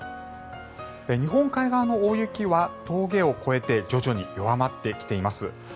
日本海側の大雪は峠を越えて徐々に弱まってきています。